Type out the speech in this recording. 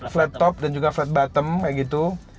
flap top dan juga flat bottom kayak gitu